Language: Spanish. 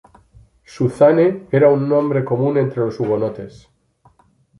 Suzanne era un nombre común entre los hugonotes.